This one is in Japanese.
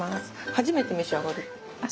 初めて召し上がるって。